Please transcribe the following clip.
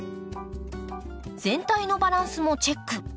全体のバランスもチェック。